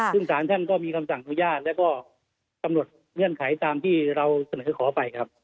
ซึ่งสารท่านก็มีคำสั่งอนุญาตแล้วก็กำหนดเงื่อนไขตามที่เราเสนอขอไปครับ